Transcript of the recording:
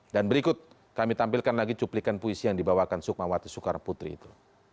dan berikut kami tampilkan lagi cuplikan puisi yang dibawakan sukma wati soekar putri itu